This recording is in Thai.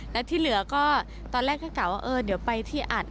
แล้วที่เหลือก็ตอนแรกก็กล่าวว่าเออเดี๋ยวไปที่อัด